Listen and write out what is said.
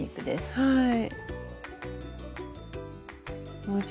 はい。